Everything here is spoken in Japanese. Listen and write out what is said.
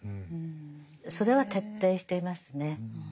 それは徹底していますね。